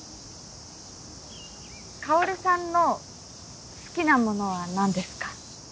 カオルさんの好きなものは何ですか？